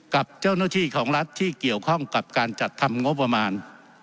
กับเจ้าหน้าที่ของรัฐที่เกี่ยวข้องกับการจัดทำงบประมาณ